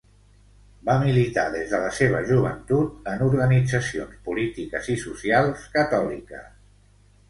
Va militar des de la seva joventut en organitzacions polítiques i socials catòliques.